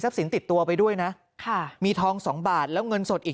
สินติดตัวไปด้วยนะค่ะมีทองสองบาทแล้วเงินสดอีก